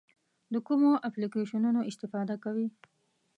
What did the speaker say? د کومو اپلیکیشنونو استفاده کوئ؟